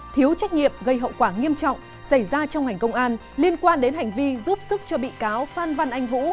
thiếu trách nhiệm gây hậu quả nghiêm trọng xảy ra trong ngành công an liên quan đến hành vi giúp sức cho bị cáo phan văn anh vũ